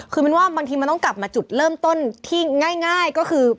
คือมันว่าบางทีมันต้องกลับมาจุดเริ่มต้นที่ง่ายก็คือ